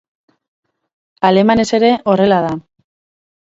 Alemanez ere horrela da.